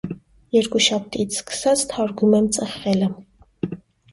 Երկուշաբթիից սկսած թարգում եմ ծխելը։